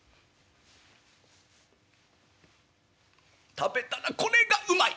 食べたらこれがうまい！